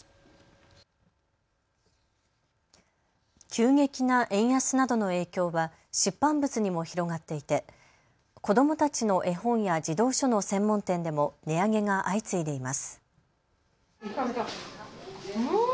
急激な円安などの影響は出版物にも広がっていて子どもたちの絵本や児童書の専門店でも値上げが相次いでいます。